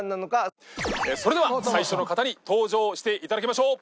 それでは最初の方に登場して頂きましょう。